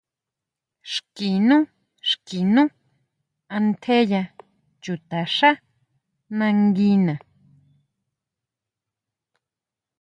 Xki nú, xki nú antjeya chutaxá nanguina.